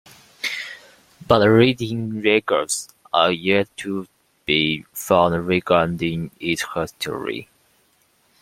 But written records are yet to be found regarding its history.